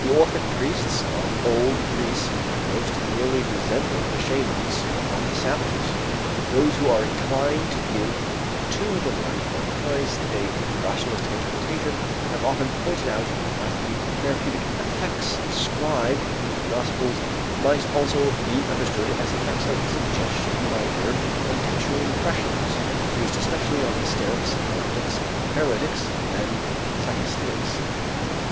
The Orphic priests of old Greece most nearly resembled the shamans of the savages. Those who are inclined to give to the life of Christ a rationalistic interpretation have often pointed out that the therapeutic effects described in the Gospels might also be understood as effects of suggestion by word and tactual impressions, produced especially on hysterics, epileptics, paralytics, and psychasthenics.